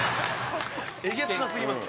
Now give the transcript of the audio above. えげつなさすぎます。